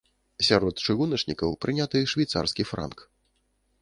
Сярод чыгуначнікаў прыняты швейцарскі франк.